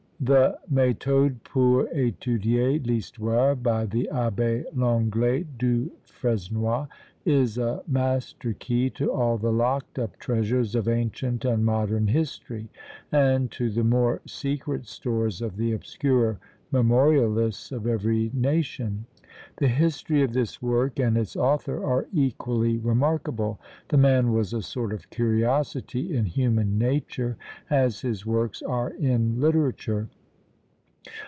The "Méthode pour étudier l' Histoire," by the Abbé Lenglet du Fresnoy, is a master key to all the locked up treasures of ancient and modern history, and to the more secret stores of the obscurer memorialists of every nation. The history of this work and its author are equally remarkable. The man was a sort of curiosity in human nature, as his works are in literature.